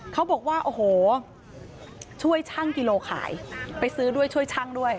เขาบอกว่าโอ้โหช่วยช่างกิโลขายไปซื้อด้วยช่วยช่างด้วย